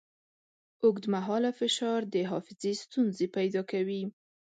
اوږدمهاله فشار د حافظې ستونزې پیدا کوي.